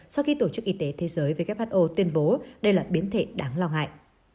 sau khi tổ chức y tế thế giới who tuyên bố đây là biến thể đáng lo ngại